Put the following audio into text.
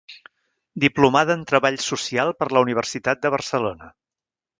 Diplomada en treball social per la Universitat de Barcelona.